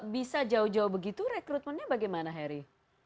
bisa jauh jauh begitu rekrutmennya bagaimana heri